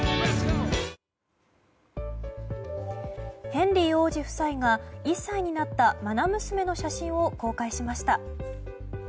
ヘンリー王子夫妻が１歳になったまな娘の写真を公開しました。